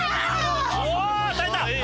お耐えた。